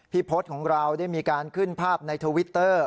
พศของเราได้มีการขึ้นภาพในทวิตเตอร์